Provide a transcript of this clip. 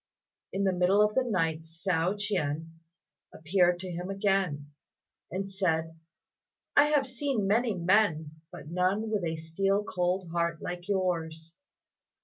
In the middle of the night Hsiao ch'ien appeared to him again, and said, "I have seen many men, but none with a steel cold heart like yours.